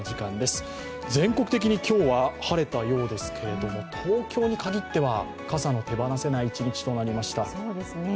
全国的に今日は晴れたようですけれども、東京に限っては傘の手放せない一日となりました。